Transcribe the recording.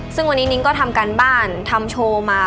ซึ่งวันนี้นิ้งก็ทำการบ้านทำโชว์มา